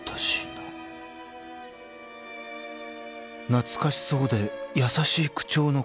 ［懐かしそうで優しい口調の会話］